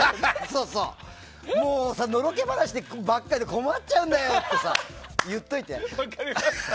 もう、のろけ話ばかりで困っちゃうんだよって言っておいて。